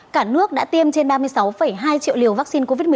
cả nước đã tiêm trên ba mươi sáu hai triệu liều vaccine covid một mươi chín